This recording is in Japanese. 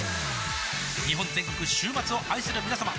日本全国週末を愛するみなさま